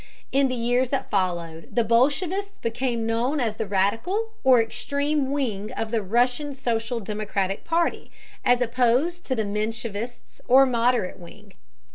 In the years that followed the bolshevists became known as the radical or extreme wing of the Russian Social Democratic party, as opposed to the menshevists, or moderate wing.